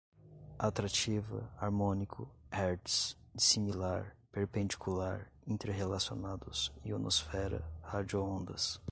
atrativa, harmônico, hertz, dissimilar, perpendicular, inter-relacionados, ionosfera, radioondas